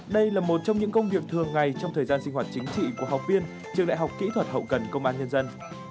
đây là một trong những công việc thường ngày trong thời gian sinh hoạt chính trị của học viên trường đại học kỹ thuật hậu cần công an nhân dân